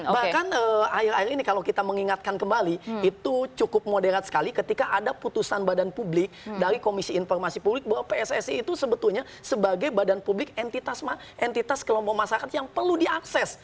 bahkan akhir akhir ini kalau kita mengingatkan kembali itu cukup moderat sekali ketika ada putusan badan publik dari komisi informasi publik bahwa pssi itu sebetulnya sebagai badan publik entitas kelompok masyarakat yang perlu diakses